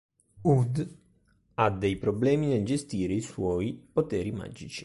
Hood ha dei problemi nel gestire i suoi poteri magici.